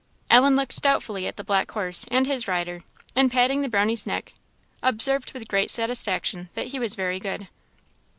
Ellen looked doubtfully at the black horse and his rider, and patting the Brownie's neck, observed with great satisfaction that he was very good.